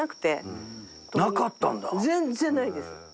全然ないです。